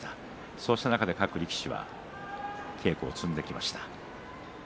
そうした中で各力士稽古を積んできました。